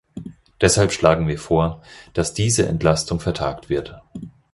Deshalb schlagen wir vor, dass diese Entlastung vertagt wird.